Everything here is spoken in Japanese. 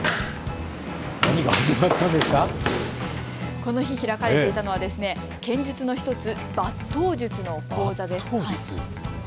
この日、開かれていたのは剣術の１つ、抜刀術の講座です。